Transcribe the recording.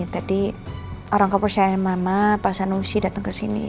tadi orang kepercayaan mama pak sanusi datang ke sini